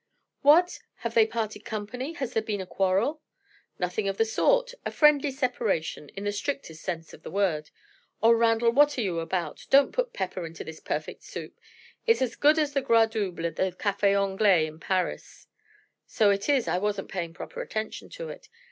"What! have they parted company? Has there been a quarrel?" "Nothing of the sort; a friendly separation, in the strictest sense of the word. Oh, Randal, what are you about? Don't put pepper into this perfect soup. It's as good as the gras double at the Cafe Anglais in Paris." "So it is; I wasn't paying proper attention to it.